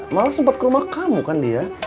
malah sempat ke rumah kamu kan dia